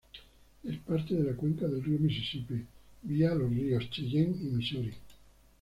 Es parte de la cuenca del río Misisipi, vía los ríos Cheyenne y Misuri.